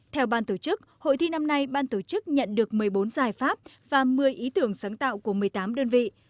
theo ban tổ chức hội thi năm nay ban tổ chức nhận được một mươi bốn giải pháp và một mươi ý tưởng sáng tạo của một mươi tám đơn vị